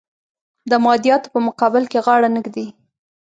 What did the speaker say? د مادیاتو په مقابل کې غاړه نه ږدي.